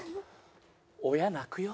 「親泣くよ？」